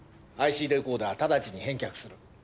レコーダー直ちに返却する。